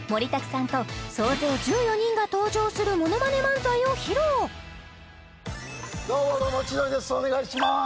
さんと総勢１４人が登場するものまね漫才を披露どうもどうも千鳥ですお願いしまーす